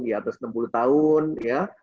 di atas enam puluh tahun ya